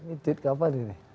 ini tweet kapan ini